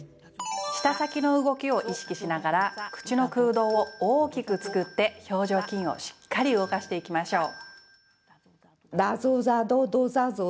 舌先の動きを意識しながら口の空洞を大きく作って表情筋をしっかり動かしていきましょう。